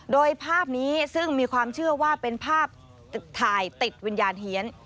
โดยภาพนี้ซึ่งมีความเชื่อว่าเป็นภาพถ่ายติดวิญญาณเฮียน